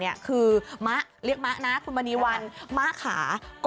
แบบว่าหวานก้าว